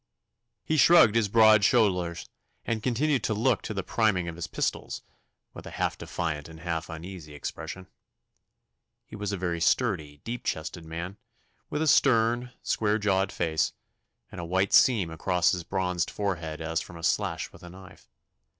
He shrugged his broad shoulders, and continued to look to the priming of his pistols, with a half defiant and half uneasy expression. He was a very sturdy, deep chested man, with a stern, square jawed face, and a white seam across his bronzed forehead as from a slash with a knife.